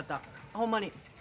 ほんまに。